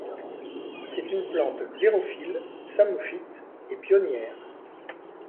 C'est une plante xérophile, psammophyte et pionnière.